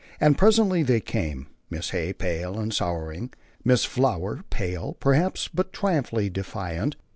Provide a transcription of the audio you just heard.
And presently they came Mrs. Hay pale and sorrowing; Miss Flower, pale, perhaps, but triumphantly defiant.